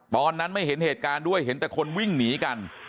ตอนนั้นไม่เห็นเหตุการณ์ด้วยเห็นแต่คนวิ่งหนีกัน